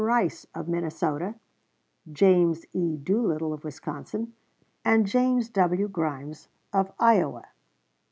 Rice, of Minnesota; James E. Doolittle, of Wisconsin, and James W. Grimes, of Iowa.